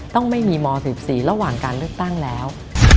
ต้องไม่มีม๑๔ระหว่างการเลือกตั้งแล้ว